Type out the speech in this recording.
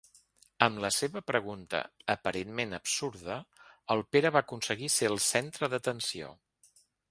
Amb la seva pregunta, aparentment absurda, el Pere va aconseguir ser el centre d'atenció.